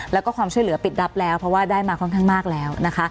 แล้วก็ความช่วยเหลือปิดรับแล้วเพราะว่าได้มาค่อนข้างมากแล้วนะคะ